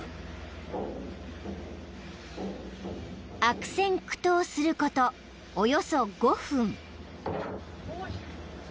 ［悪戦苦闘することおよそ５分］